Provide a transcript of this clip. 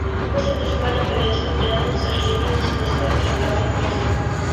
Мы согласовали повестку дня, но, к сожалению, не согласовали программу работы.